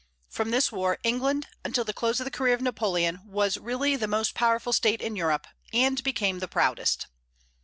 From this war England, until the close of the career of Napoleon, was really the most powerful state in Europe, and became the proudest.